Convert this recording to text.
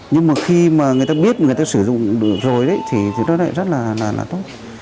nhưng mà khi mà người ta biết người ta sử dụng rồi đấy thì nó lại rất là tốt